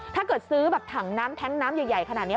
ถ้าเกิดซื้อแบบถังน้ำแท้งน้ำใหญ่ขนาดนี้